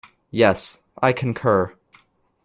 Yes, I concur.